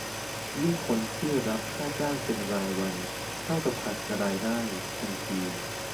ยิ่งคนที่รับค่าจ้างเป็นรายวัน เท่ากับขาดรายได้ทันที